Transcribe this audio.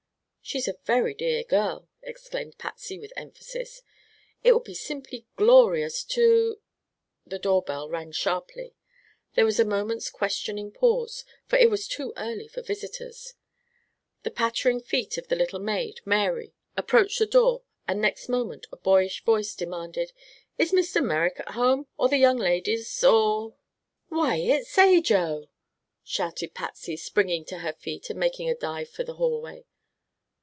"She's a very dear girl!" exclaimed Patsy, with emphasis. "It will be simply glorious to " The doorbell rang sharply. There was a moment's questioning pause, for it was too early for visitors. The pattering feet of the little maid, Mary, approached the door and next moment a boyish voice demanded: "Is Mr. Merrick at home, or the young ladies, or " "Why, it's Ajo!" shouted Patsy, springing to her feet and making a dive for the hallway.